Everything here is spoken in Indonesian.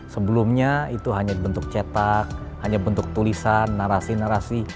sebelumnya itu hanya bentuk cetak hanya bentuk tulisan narasi narasi